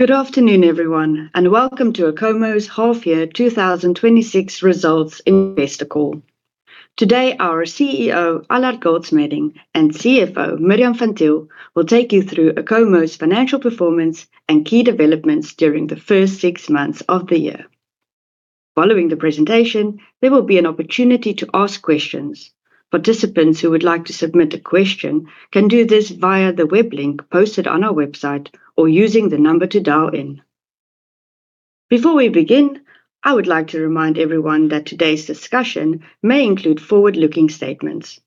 Good afternoon, everyone, and welcome to Acomo's half year 2026 results investor call. Today, our CEO, Allard Goldschmeding, and CFO, Mirjam van Thiel, will take you through Acomo's financial performance and key developments during the first six months of the year. Following the presentation, there will be an opportunity to ask questions. Participants who would like to submit a question can do this via the web link posted on our website or using the number to dial in. Before we begin, I would like to remind everyone that today's discussion may include forward-looking statements.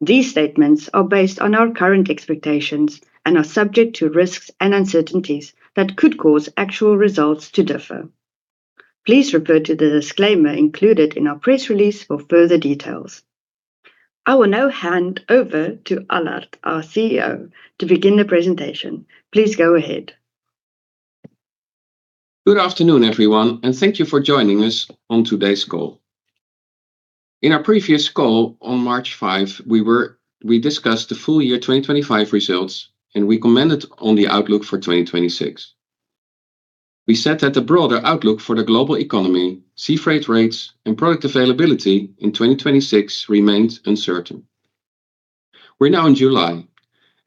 These statements are based on our current expectations and are subject to risks and uncertainties that could cause actual results to differ. Please refer to the disclaimer included in our press release for further details. I will now hand over to Allard, our CEO, to begin the presentation. Please go ahead. Good afternoon, everyone, and thank you for joining us on today's call. In our previous call on March 5th, we discussed the full year 2025 results, and we commented on the outlook for 2026. We said that the broader outlook for the global economy, sea freight rates, and product availability in 2026 remains uncertain. We're now in July,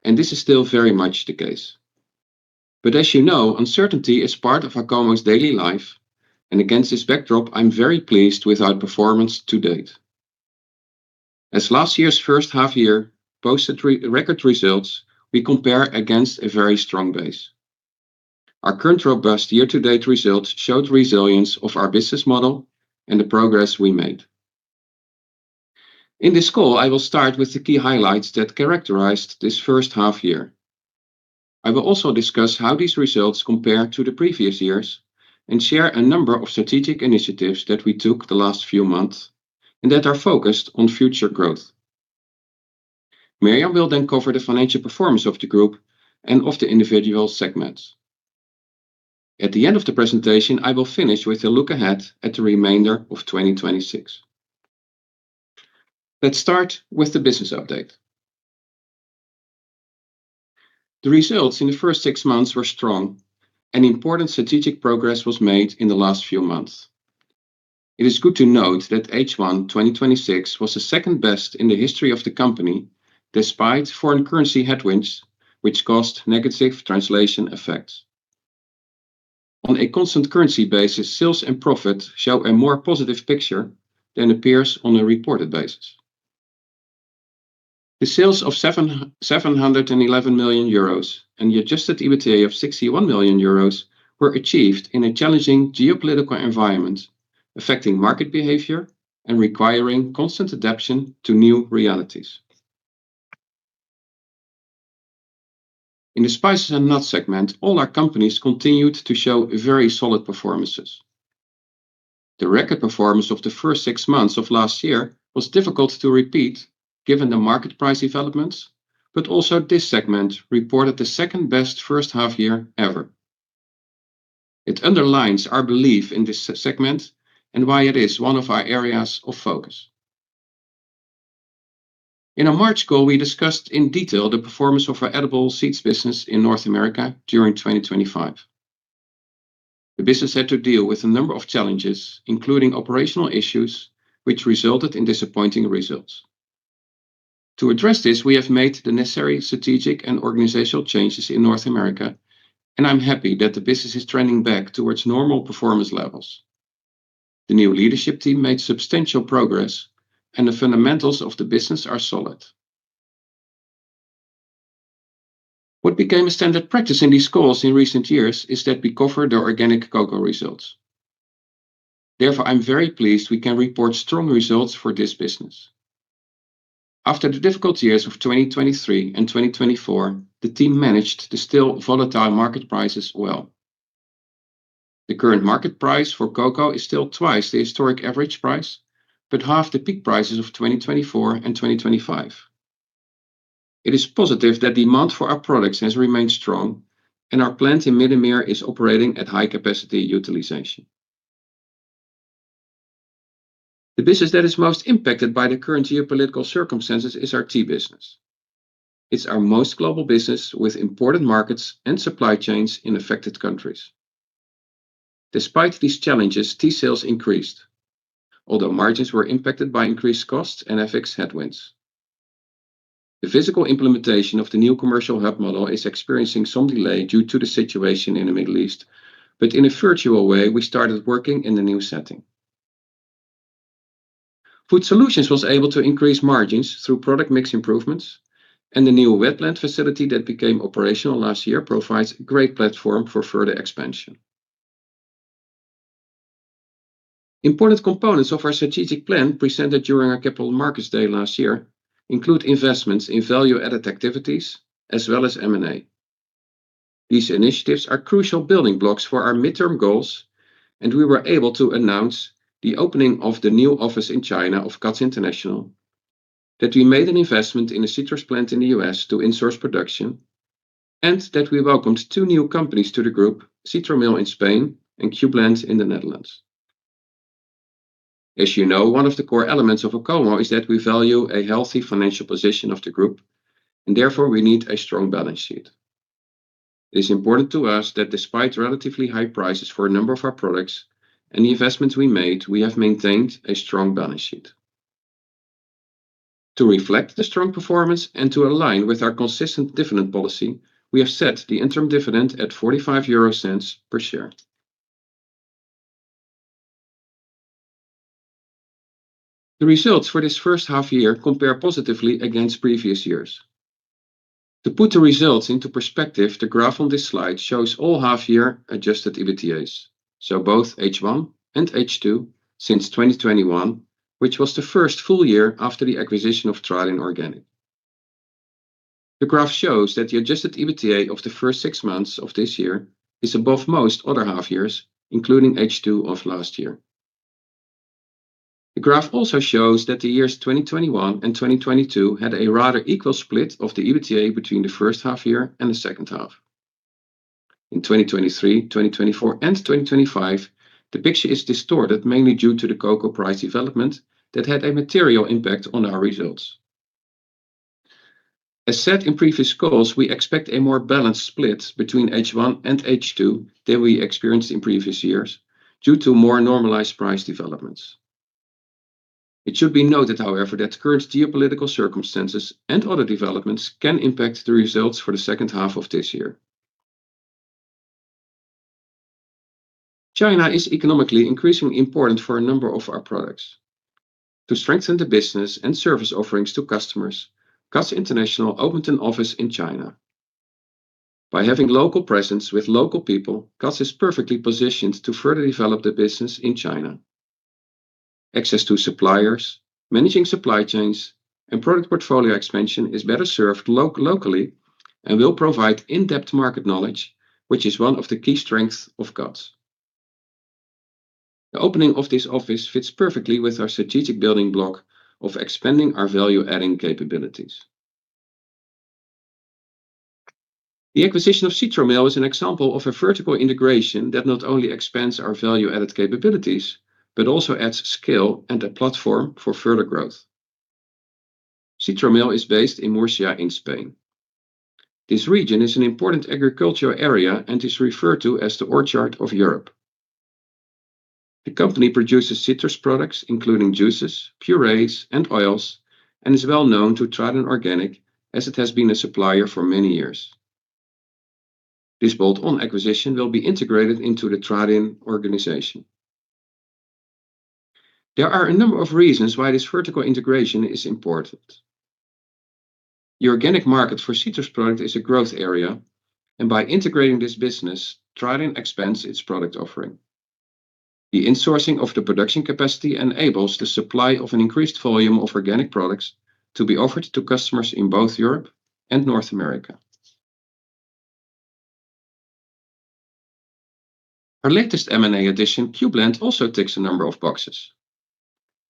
and this is still very much the case. As you know, uncertainty is part of Acomo's daily life, and against this backdrop, I'm very pleased with our performance to date. As last year's first half year posted record results, we compare against a very strong base. Our current robust year-to-date results showed resilience of our business model and the progress we made. In this call, I will start with the key highlights that characterized this first half year. I will also discuss how these results compare to the previous years and share a number of strategic initiatives that we took the last few months and that are focused on future growth. Mirjam will then cover the financial performance of the group and of the individual segments. At the end of the presentation, I will finish with a look ahead at the remainder of 2026. Let's start with the business update. The results in the first six months were strong, and important strategic progress was made in the last few months. It is good to note that H1 2026 was the second best in the history of the company, despite foreign currency headwinds, which caused negative translation effects. On a constant currency basis, sales and profit show a more positive picture than appears on a reported basis. The sales of 711 million euros and the adjusted EBITDA of 61 million euros were achieved in a challenging geopolitical environment, affecting market behavior and requiring constant adaption to new realities. In the Spices & Nuts segment, all our companies continued to show very solid performances. The record performance of the first six months of last year was difficult to repeat, given the market price developments, but also this segment reported the second-best first half year ever. It underlines our belief in this segment and why it is one of our areas of focus. In our March call, we discussed in detail the performance of our Edible Seeds business in North America during 2025. The business had to deal with a number of challenges, including operational issues, which resulted in disappointing results. To address this, we have made the necessary strategic and organizational changes in North America, and I'm happy that the business is trending back towards normal performance levels. The new leadership team made substantial progress, and the fundamentals of the business are solid. What became a standard practice in these calls in recent years is that we cover the organic cocoa results. Therefore, I'm very pleased we can report strong results for this business. After the difficult years of 2023 and 2024, the team managed to distill volatile market prices well. The current market price for cocoa is still twice the historic average price, but half the peak prices of 2024 and 2025. It is positive that demand for our products has remained strong, and our plant in Middenmeer is operating at high capacity utilization. The business that is most impacted by the current geopolitical circumstances is our Tea business. It's our most global business, with important markets and supply chains in affected countries. Despite these challenges, Tea sales increased, although margins were impacted by increased costs and FX headwinds. The physical implementation of the new commercial hub model is experiencing some delay due to the situation in the Middle East. In a virtual way, we started working in the new setting. Food Solutions was able to increase margins through product mix improvements, and the new wet blend facility that became operational last year provides a great platform for further expansion. Important components of our strategic plan presented during our Capital Markets Day last year include investments in value-added activities as well as M&A. These initiatives are crucial building blocks for our midterm goals, and we were able to announce the opening of the new office in China of Guts International. That we made an investment in a citrus plant in the U.S. to insource production, and that we welcomed two new companies to the group, Citromil in Spain and Cublend in the Netherlands. As you know, one of the core elements of Acomo is that we value a healthy financial position of the group, and therefore we need a strong balance sheet. It is important to us that despite relatively high prices for a number of our products and the investments we made, we have maintained a strong balance sheet. To reflect the strong performance and to align with our consistent dividend policy, we have set the interim dividend at 0.45 per share. The results for this first half year compare positively against previous years. To put the results into perspective, the graph on this slide shows all half year adjusted EBITDAs, so both H1 and H2 since 2021, which was the first full year after the acquisition of Tradin Organic. The graph shows that the adjusted EBITDA of the first six months of this year is above most other half years, including H2 of last year. The graph also shows that the years 2021 and 2022 had a rather equal split of the EBITDA between the first half year and the second half. In 2023, 2024, and 2025, the picture is distorted mainly due to the cocoa price development that had a material impact on our results. As said in previous calls, we expect a more balanced split between H1 and H2 than we experienced in previous years due to more normalized price developments. It should be noted, however, that current geopolitical circumstances and other developments can impact the results for the second half of this year. China is economically increasingly important for a number of our products. To strengthen the business and service offerings to customers, Guts International opened an office in China. By having local presence with local people, Guts is perfectly positioned to further develop the business in China. Access to suppliers, managing supply chains, and product portfolio expansion is better served locally and will provide in-depth market knowledge, which is one of the key strengths of Guts. The opening of this office fits perfectly with our strategic building block of expanding our value-adding capabilities. The acquisition of Citromil is an example of a vertical integration that not only expands our value-added capabilities but also adds scale and a platform for further growth. Citromil is based in Murcia in Spain. This region is an important agricultural area and is referred to as the orchard of Europe. The company produces citrus products including juices, purees, and oils, and is well known to Tradin Organic as it has been a supplier for many years. This bolt-on acquisition will be integrated into the Tradin organization. There are a number of reasons why this vertical integration is important. The organic market for citrus product is a growth area, and by integrating this business, Tradin expands its product offering. The insourcing of the production capacity enables the supply of an increased volume of organic products to be offered to customers in both Europe and North America. Our latest M&A addition, Cublend, also ticks a number of boxes.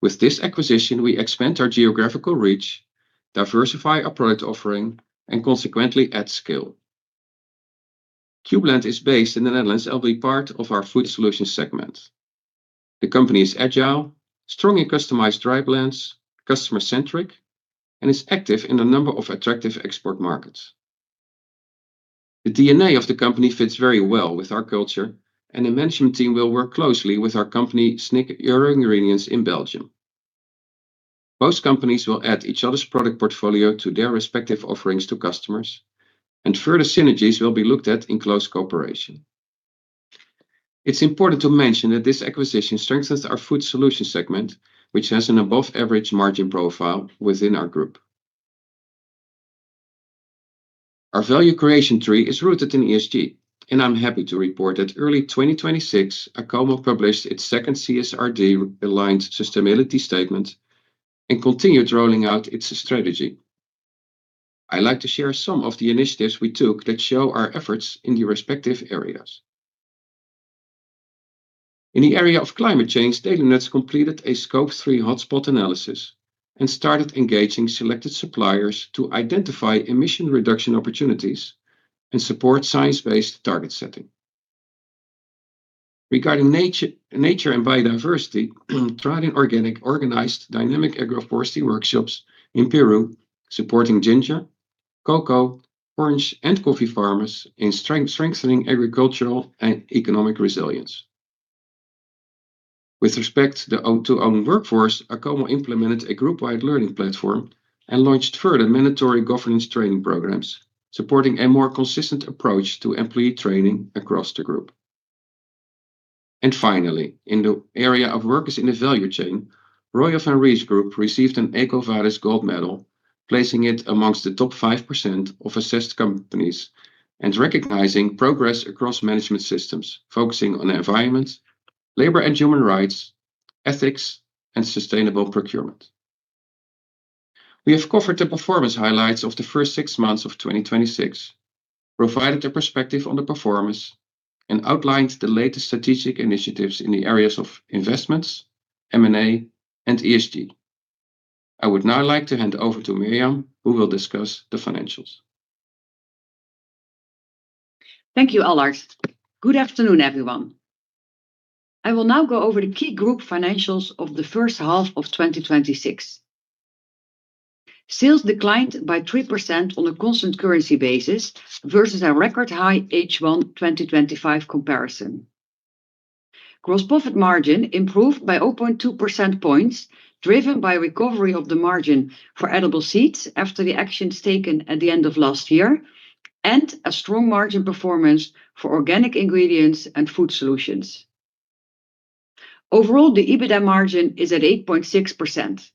With this acquisition, we expand our geographical reach, diversify our product offering, and consequently add scale. Cublend is based in the Netherlands and will be part of our Food Solutions segment. The company is agile, strong in customized dry blends, customer-centric, and is active in a number of attractive export markets. The DNA of the company fits very well with our culture, and the management team will work closely with our company Snick EuroIngredients in Belgium. Both companies will add each other's product portfolio to their respective offerings to customers, and further synergies will be looked at in close cooperation. It's important to mention that this acquisition strengthens our Food Solutions segment, which has an above-average margin profile within our group. Our value creation tree is rooted in ESG, and I'm happy to report that early 2026, Acomo published its second CSRD-aligned sustainability statement and continued rolling out its strategy. I'd like to share some of the initiatives we took that show our efforts in the respective areas. In the area of climate change, Delinuts completed a Scope 3 hotspot analysis and started engaging selected suppliers to identify emission reduction opportunities and support science-based target setting. Regarding nature and biodiversity, Tradin Organic organized dynamic agroforestry workshops in Peru, supporting ginger, cocoa, orange, and coffee farmers in strengthening agricultural and economic resilience. With respect to our own workforce, Acomo implemented a group-wide learning platform and launched further mandatory governance training programs, supporting a more consistent approach to employee training across the group. Finally, in the area of workers in the value chain, Royal van Rees Group received an EcoVadis gold medal, placing it amongst the top 5% of assessed companies and recognizing progress across management systems focusing on environment, labor and human rights, ethics, and sustainable procurement. We have covered the performance highlights of the first six months of 2026, provided a perspective on the performance, and outlined the latest strategic initiatives in the areas of investments, M&A, and ESG. I would now like to hand over to Mirjam, who will discuss the financials Thank you, Allard. Good afternoon, everyone. I will now go over the key group financials of the first half of 2026. Sales declined by 3% on a constant currency basis versus our record high H1 2025 comparison. Gross profit margin improved by 0.2 percentage points, driven by recovery of the margin for Edible Seeds after the actions taken at the end of last year, and a strong margin performance for Organic Ingredients and Food Solutions. Overall, the EBITDA margin is at 8.6%,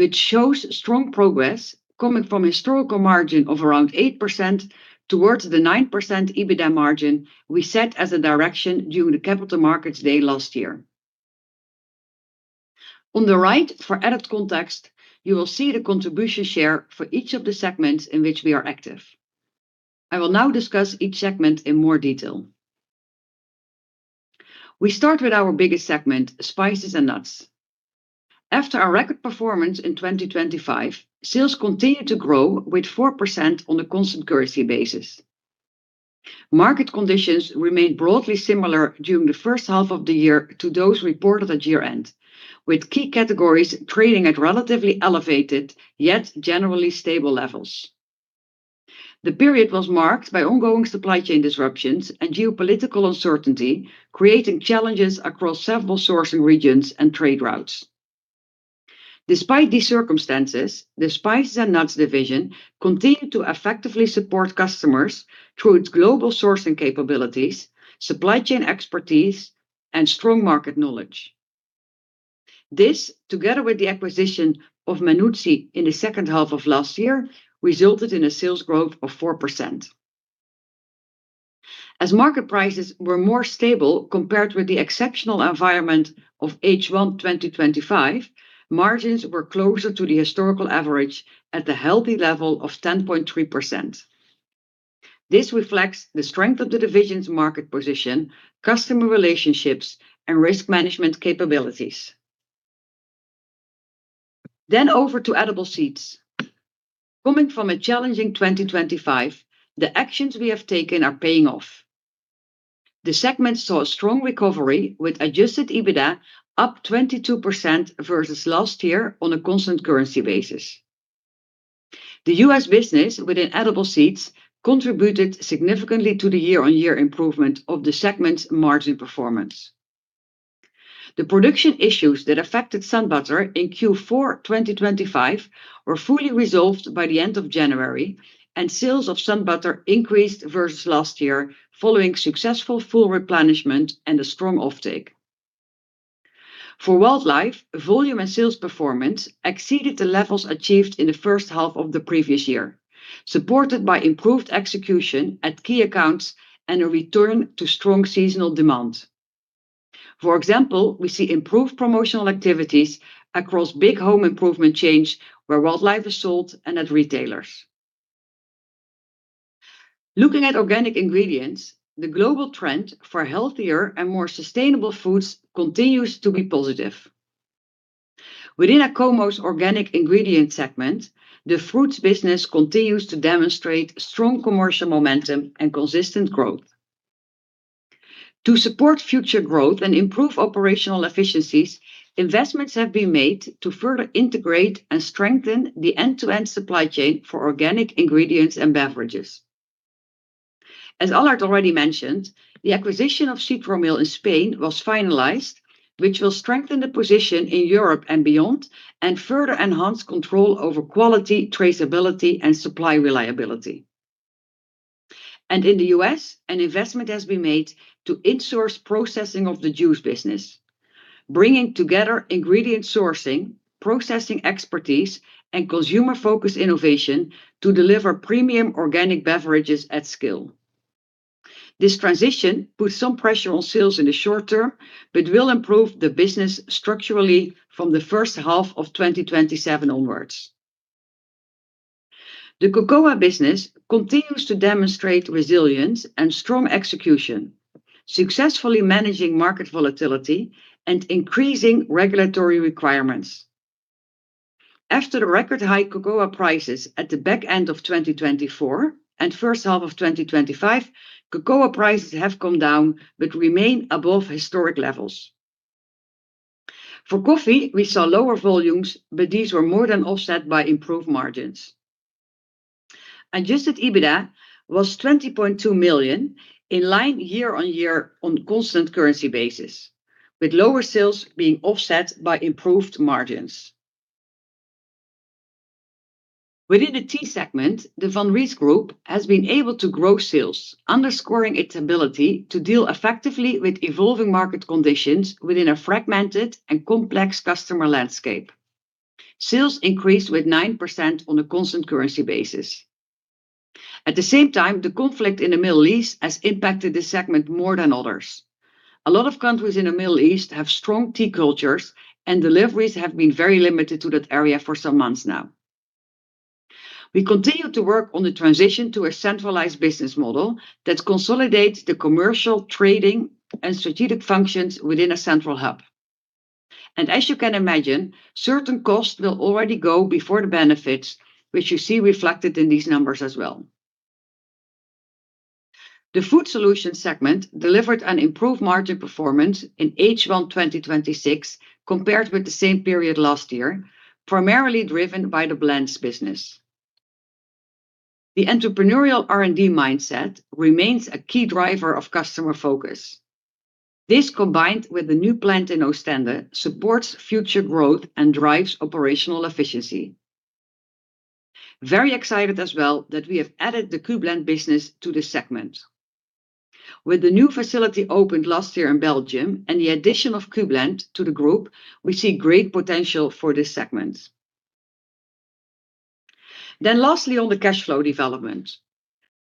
which shows strong progress coming from historical margin of around 8% towards the 9% EBITDA margin we set as a direction during the Capital Markets Day last year. On the right, for added context, you will see the contribution share for each of the segments in which we are active. I will now discuss each segment in more detail. We start with our biggest segment, Spices & Nuts. After our record performance in 2025, sales continued to grow with 4% on a constant currency basis. Market conditions remained broadly similar during the first half of the year to those reported at year-end, with key categories trading at relatively elevated, yet generally stable levels. The period was marked by ongoing supply chain disruptions and geopolitical uncertainty, creating challenges across several sourcing regions and trade routes. Despite these circumstances, the Spices & Nuts division continued to effectively support customers through its global sourcing capabilities, supply chain expertise, and strong market knowledge. This, together with the acquisition of Manuzzi in the second half of last year, resulted in a sales growth of 4%. As market prices were more stable compared with the exceptional environment of H1 2025, margins were closer to the historical average at the healthy level of 10.3%. This reflects the strength of the division's market position, customer relationships, and risk management capabilities. Over to Edible Seeds. Coming from a challenging 2025, the actions we have taken are paying off. The segment saw a strong recovery, with adjusted EBITDA up 22% versus last year on a constant currency basis. The U.S. business within Edible Seeds contributed significantly to the year-on-year improvement of the segment's margin performance. The production issues that affected SunButter in Q4 2025 were fully resolved by the end of January, and sales of SunButter increased versus last year following successful full replenishment and a strong offtake. For Wildlife, volume and sales performance exceeded the levels achieved in the first half of the previous year, supported by improved execution at key accounts and a return to strong seasonal demand. For example, we see improved promotional activities across big home improvement chains where Wildlife is sold and at retailers. Looking at Organic Ingredients, the global trend for healthier and more sustainable foods continues to be positive. Within Acomo's Organic Ingredients segment, the fruits business continues to demonstrate strong commercial momentum and consistent growth. To support future growth and improve operational efficiencies, investments have been made to further integrate and strengthen the end-to-end supply chain for organic ingredients and beverages. As Allard already mentioned, the acquisition of Citromil in Spain was finalized, which will strengthen the position in Europe and beyond and further enhance control over quality, traceability, and supply reliability. In the U.S., an investment has been made to insource processing of the juice business, bringing together ingredient sourcing, processing expertise, and consumer-focused innovation to deliver premium organic beverages at scale. This transition puts some pressure on sales in the short term, will improve the business structurally from the first half of 2027 onwards. The Cocoa business continues to demonstrate resilience and strong execution, successfully managing market volatility and increasing regulatory requirements. After the record high cocoa prices at the back end of 2024 and first half of 2025, cocoa prices have come down but remain above historic levels. For coffee, we saw lower volumes, but these were more than offset by improved margins. Adjusted EBITDA was 20.2 million, in line year-on-year on a constant currency basis, with lower sales being offset by improved margins. Within the Tea segment, the Van Rees group has been able to grow sales, underscoring its ability to deal effectively with evolving market conditions within a fragmented and complex customer landscape. Sales increased with 9% on a constant currency basis. At the same time, the conflict in the Middle East has impacted this segment more than others. A lot of countries in the Middle East have strong tea cultures, and deliveries have been very limited to that area for some months now. We continue to work on the transition to a centralized business model that consolidates the commercial trading and strategic functions within a central hub. As you can imagine, certain costs will already go before the benefits, which you see reflected in these numbers as well. The Food Solutions segment delivered an improved margin performance in H1 2026 compared with the same period last year, primarily driven by the blends business. The entrepreneurial R&D mindset remains a key driver of customer focus. This, combined with the new plant in Oostende, supports future growth and drives operational efficiency. Very excited as well that we have added the Cublend business to this segment. With the new facility opened last year in Belgium and the addition of Cublend to the group, we see great potential for this segment. Lastly, on the cash flow development.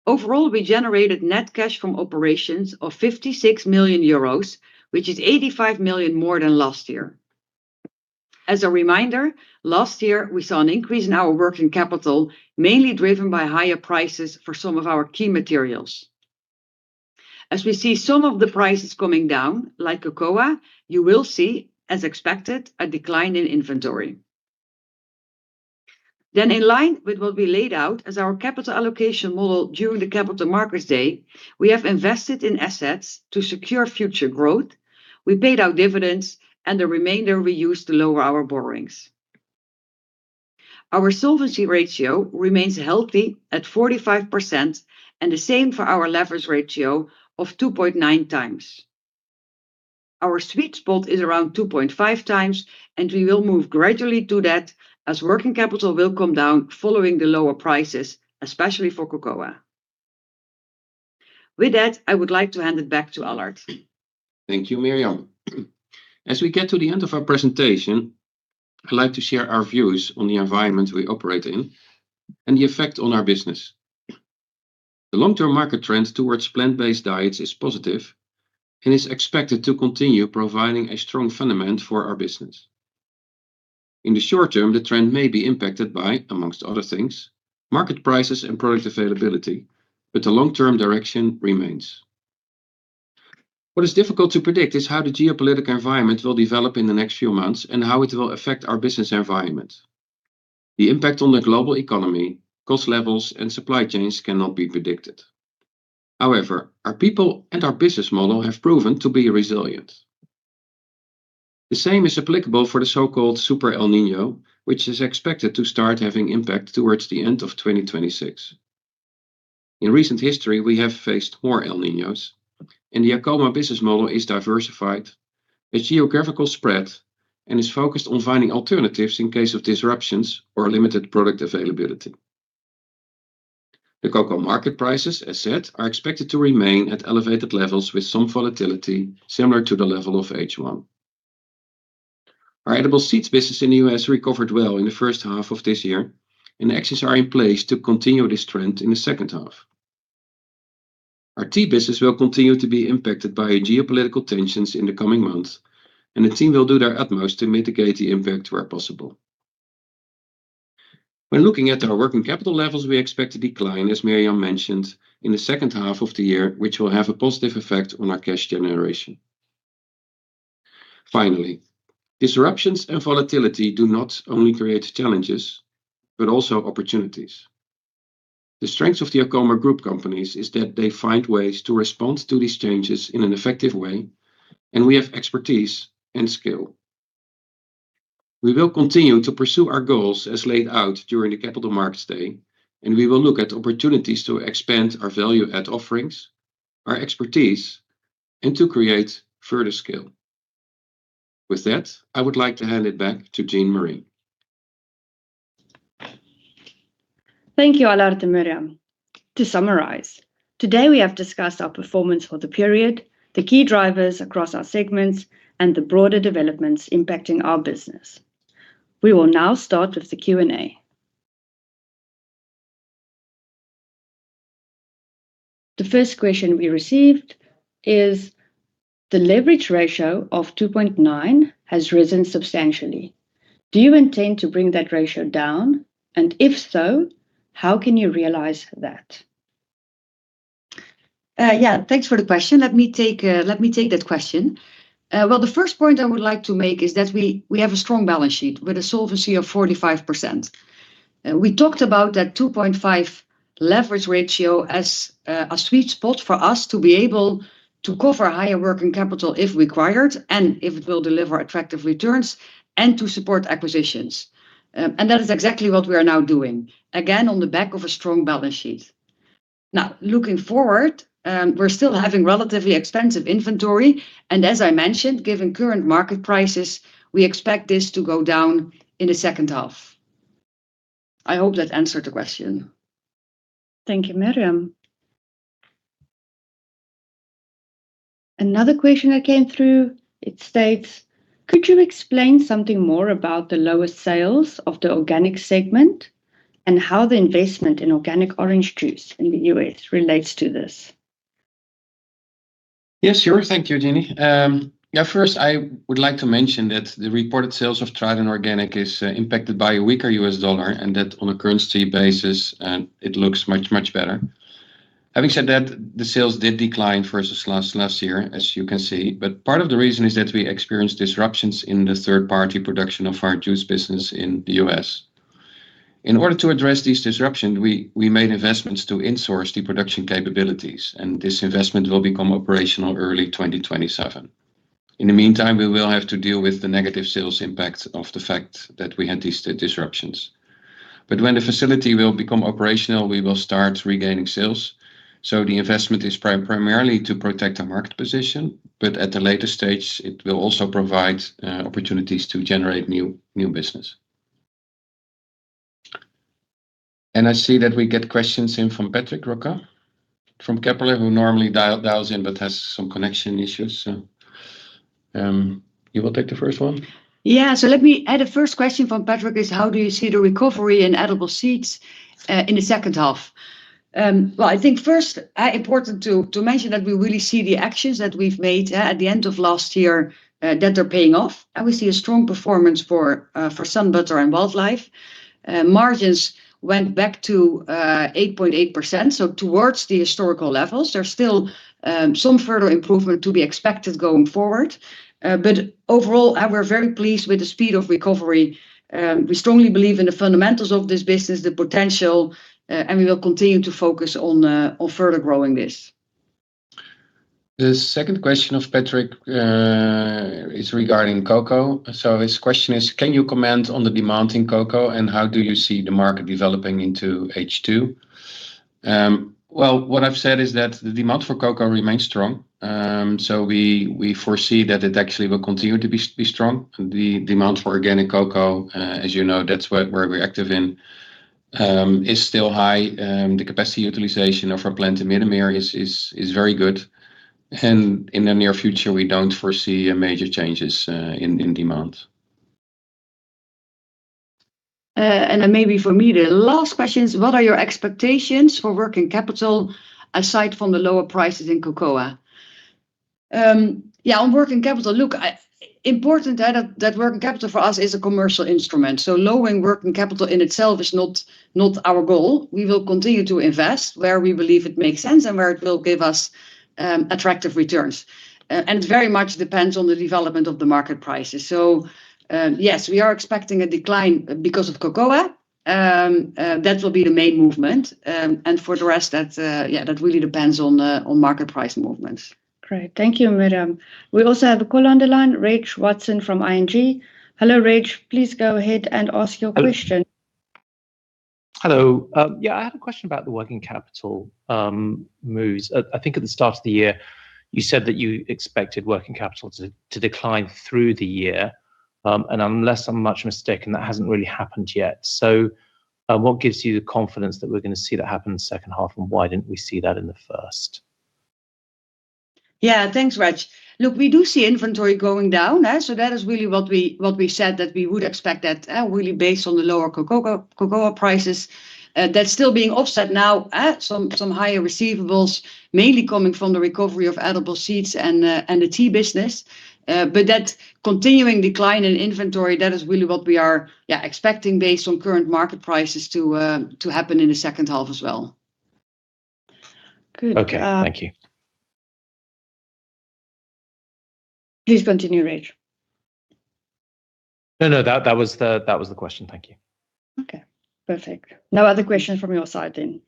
Overall, we generated net cash from operations of 56 million euros, which is 85 million more than last year. As a reminder, last year, we saw an increase in our working capital, mainly driven by higher prices for some of our key materials. As we see some of the prices coming down, like cocoa, you will see, as expected, a decline in inventory. In line with what we laid out as our Capital Markets Day, we have invested in assets to secure future growth. We paid our dividends, and the remainder we used to lower our borrowings. Our solvency ratio remains healthy at 45%. The same for our leverage ratio of 2.9 times. Our sweet spot is around 2.5 times. We will move gradually to that as working capital will come down following the lower prices, especially for cocoa. With that, I would like to hand it back to Allard. Thank you, Mirjam. As we get to the end of our presentation, I'd like to share our views on the environment we operate in and the effect on our business. The long-term market trend towards plant-based diets is positive and is expected to continue providing a strong fundament for our business. In the short term, the trend may be impacted by, among other things, market prices and product availability. The long-term direction remains. What is difficult to predict is how the geopolitical environment will develop in the next few months and how it will affect our business environment. The impact on the global economy, cost levels, and supply chains cannot be predicted. However, our people and our business model have proven to be resilient. The same is applicable for the so-called super El Niño, which is expected to start having impact towards the end of 2026. In recent history, we have faced more El Niños. The Acomo business model is diversified with geographical spread and is focused on finding alternatives in case of disruptions or limited product availability. The cocoa market prices, as said, are expected to remain at elevated levels with some volatility similar to the level of H1. Our Edible Seeds business in the U.S. recovered well in the first half of this year. Actions are in place to continue this trend in the second half. Our Tea business will continue to be impacted by geopolitical tensions in the coming months. The team will do their utmost to mitigate the impact where possible. When looking at our working capital levels, we expect a decline, as Mirjam mentioned, in the second half of the year, which will have a positive effect on our cash generation. Finally, disruptions and volatility do not only create challenges, but also opportunities. The strength of the Acomo Group companies is that they find ways to respond to these changes in an effective way. We have expertise and skill. We will continue to pursue our goals as laid out during the Capital Markets Day. We will look at opportunities to expand our value-add offerings, our expertise, and to create further scale. With that, I would like to hand it back to Jean-Mari. Thank you, Allard and Mirjam. To summarize, today we have discussed our performance for the period, the key drivers across our segments, and the broader developments impacting our business. We will now start with the Q&A. The first question we received is: "The leverage ratio of 2.9 has risen substantially. Do you intend to bring that ratio down? If so, how can you realize that? Thanks for the question. Let me take that question. Well, the first point I would like to make is that we have a strong balance sheet with a solvency of 45%. We talked about that 2.5 leverage ratio as a sweet spot for us to be able to cover higher working capital if required and if it will deliver attractive returns and to support acquisitions. That is exactly what we are now doing, again, on the back of a strong balance sheet. Looking forward, we're still having relatively expensive inventory, as I mentioned, given current market prices, we expect this to go down in the second half. I hope that answered the question. Thank you, Mirjam. Another question that came through, it states: "Could you explain something more about the lower sales of the Organic segment and how the investment in organic orange juice in the U.S. relates to this? Yes, sure. Thank you, Jean. First I would like to mention that the reported sales of Tradin Organic is impacted by a weaker U.S. dollar, that on a currency basis, it looks much, much better. Having said that, the sales did decline versus last year, as you can see. Part of the reason is that we experienced disruptions in the third-party production of our juice business in the U.S. In order to address these disruptions, we made investments to insource the production capabilities, this investment will become operational early 2027. In the meantime, we will have to deal with the negative sales impact of the fact that we had these disruptions. When the facility will become operational, we will start regaining sales. The investment is primarily to protect our market position, but at the later stage, it will also provide opportunities to generate new business. I see that we get questions in from Patrick Roquas from Kepler, who normally dials in but has some connection issues. You will take the first one? Let me add, the first question from Patrick is, "How do you see the recovery in Edible Seeds in the second half?" Well, I think first, important to mention that we really see the actions that we've made at the end of last year, that they're paying off. We see a strong performance for SunButter and Wildlife. Margins went back to 8.8%, towards the historical levels. There's still some further improvement to be expected going forward. Overall, we're very pleased with the speed of recovery. We strongly believe in the fundamentals of this business, the potential, and we will continue to focus on further growing this. The second question of Patrick is regarding cocoa. His question is, "Can you comment on the demand in cocoa, and how do you see the market developing into H2?" Well, what I've said is that the demand for cocoa remains strong. We foresee that it actually will continue to be strong. The demand for organic cocoa, as you know, that's where we're active in, is still high. The capacity utilization of our plant in Middenmeer is very good, and in the near future, we don't foresee major changes in demand. Maybe for me, the last question is, "What are your expectations for working capital aside from the lower prices in cocoa?" On working capital. Look, important that working capital for us is a commercial instrument. Lowering working capital in itself is not our goal. We will continue to invest where we believe it makes sense and where it will give us attractive returns. It very much depends on the development of the market prices. Yes, we are expecting a decline because of cocoa. That will be the main movement. For the rest, that really depends on market price movements. Great. Thank you, Mirjam. We also have a caller on the line, Reginald Watson from ING. Hello, Reginald. Please go ahead and ask your question. Hello. Yeah, I have a question about the working capital moves. I think at the start of the year, you said that you expected working capital to decline through the year. Unless I'm much mistaken, that hasn't really happened yet. What gives you the confidence that we're going to see that happen in the second half, and why didn't we see that in the first? Yeah, thanks, Reginald. Look, we do see inventory going down. That is really what we said that we would expect that, really based on the lower cocoa prices. That's still being offset now at some higher receivables, mainly coming from the recovery of Edible Seeds and the Tea business. That continuing decline in inventory, that is really what we are, yeah, expecting based on current market prices to happen in the second half as well. Good. Okay. Thank you. Please continue, Reginald. No, no, that was the question. Thank you. Okay, perfect. No other questions from your side then?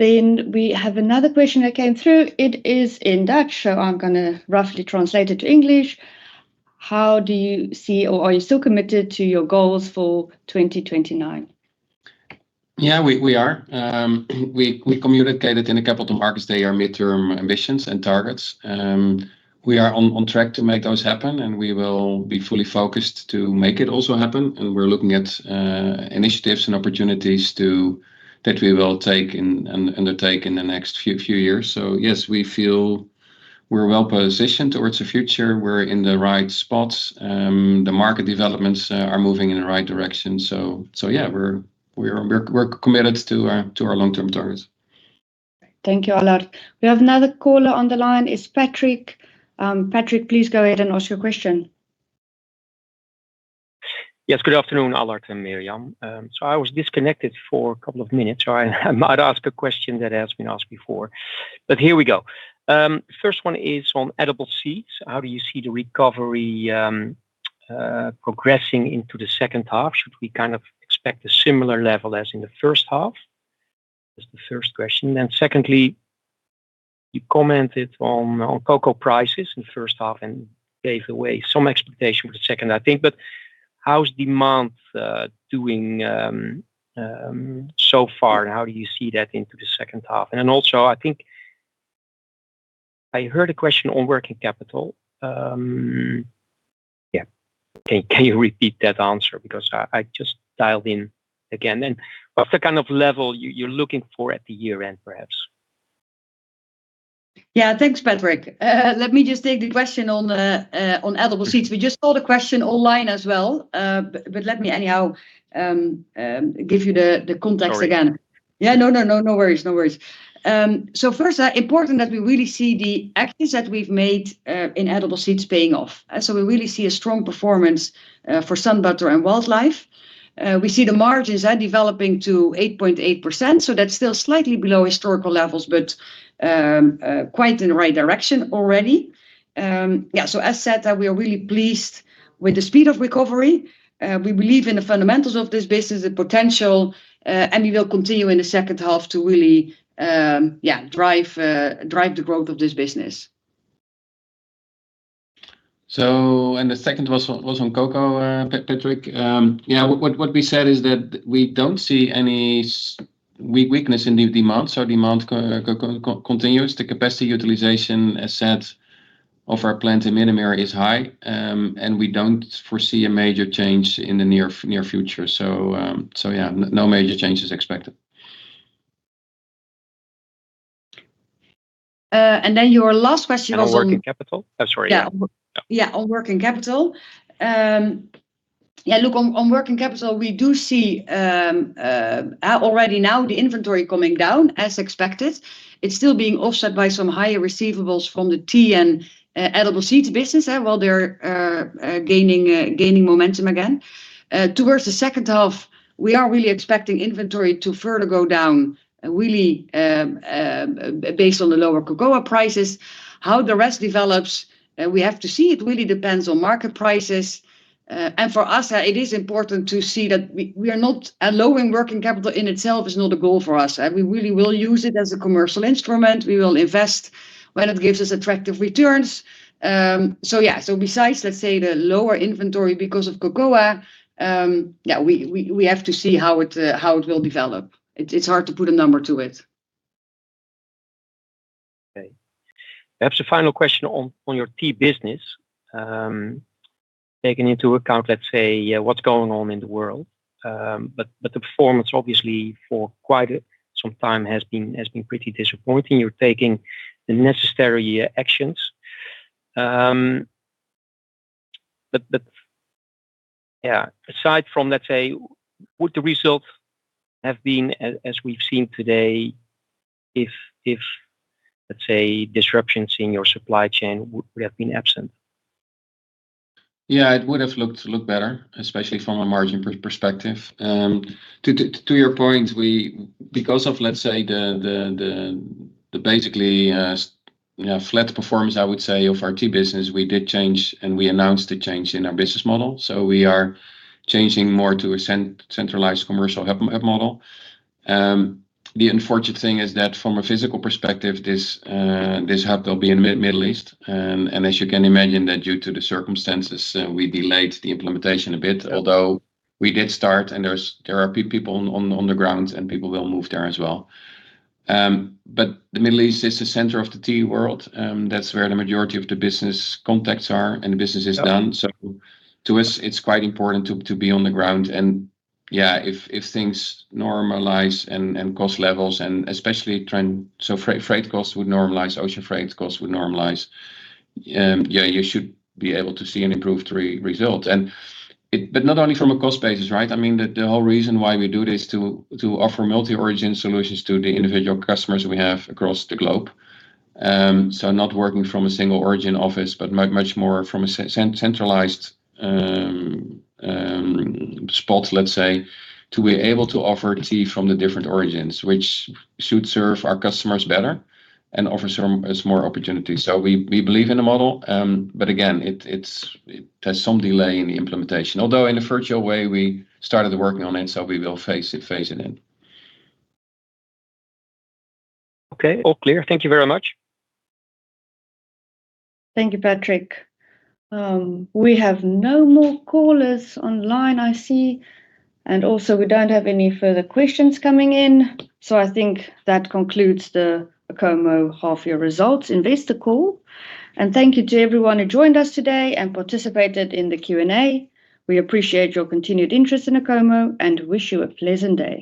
We have another question that came through. It is in Dutch, so I'm going to roughly translate it to English. "How do you see, or are you still committed to your goals for 2029? Yeah, we are. We communicated in the Capital Markets Day our midterm ambitions and targets. We are on track to make those happen, and we will be fully focused to make it also happen. We're looking at initiatives and opportunities that we will undertake in the next few years. Yes, we feel we're well positioned towards the future. We're in the right spots. The market developments are moving in the right direction. Yeah, we're committed to our long-term targets. Thank you, Allard. We have another caller on the line. It's Patrick. Patrick, please go ahead and ask your question. Yes. Good afternoon, Allard and Mirjam. I was disconnected for a couple of minutes, or I might ask a question that has been asked before, but here we go. First one is on Edible Seeds. How do you see the recovery progressing into the second half? Should we expect a similar level as in the first half? That's the first question. Secondly, you commented on cocoa prices in the first half and gave away some expectation for the second, I think. How's demand doing so far, and how do you see that into the second half? Also, I think I heard a question on working capital. Can you repeat that answer because I just dialed in again. What's the kind of level you're looking for at the year-end, perhaps? Thanks, Patrick. Let me just take the question on Edible Seeds. We just saw the question online as well, but let me anyhow give you the context again. Sorry. No worries. First, important that we really see the actions that we've made in Edible Seeds paying off. We really see a strong performance for SunButter and Wildlife. We see the margins are developing to 8.8%, that's still slightly below historical levels, but quite in the right direction already. As said, we are really pleased with the speed of recovery. We believe in the fundamentals of this business, the potential, and we will continue in the second half to really drive the growth of this business. The second was on cocoa, Patrick. What we said is that we don't see any weakness in the demand. Demand continues. The capacity utilization, as said, of our plant in Middenmeer is high, and we don't foresee a major change in the near future. No major changes expected. Your last question was on- Working capital. I'm sorry. On working capital. On working capital, we do see already now the inventory coming down as expected. It's still being offset by some higher receivables from the Tea and Edible Seeds business, while they're gaining momentum again. Towards the second half, we are really expecting inventory to further go down, really based on the lower cocoa prices. How the rest develops, we have to see. It really depends on market prices. For us, it is important to see that lowering working capital in itself is not a goal for us. We really will use it as a commercial instrument. We will invest when it gives us attractive returns. Besides, let's say, the lower inventory because of cocoa, we have to see how it will develop. It's hard to put a number to it. Okay. Perhaps a final question on your tea business. Taking into account, let's say, what's going on in the world, the performance obviously for quite some time has been pretty disappointing. You're taking the necessary actions. Aside from, let's say, would the results have been as we've seen today, if, let's say, disruptions in your supply chain would have been absent? Yeah, it would've looked better, especially from a margin perspective. To your point, because of, let's say, the basically flat performance, I would say, of our tea business, we did change, and we announced a change in our business model. We are changing more to a centralized commercial hub model. The unfortunate thing is that from a physical perspective, this hub will be in Middle East. As you can imagine, that due to the circumstances, we delayed the implementation a bit, although we did start, and there are people on the ground, and people will move there as well. The Middle East is the center of the tea world. That's where the majority of the business contacts are and the business is done. Okay. To us, it's quite important to be on the ground and, yeah, if things normalize and cost levels and especially trend, so freight costs would normalize, ocean freight costs would normalize, you should be able to see an improved result. Not only from a cost basis, right? The whole reason why we do this to offer multi-origin solutions to the individual customers we have across the globe. Not working from a single origin office, but much more from a centralized spot, let's say, to be able to offer tea from the different origins, which should serve our customers better and offer us more opportunities. We believe in the model. Again, it has some delay in the implementation, although in a virtual way, we started the working on it, so we will phase it in. Okay. All clear. Thank you very much. Thank you, Patrick. We have no more callers online, I see, and also we don't have any further questions coming in, so I think that concludes the Acomo half year results investor call. Thank you to everyone who joined us today and participated in the Q&A. We appreciate your continued interest in Acomo and wish you a pleasant day.